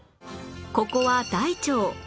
ここは大腸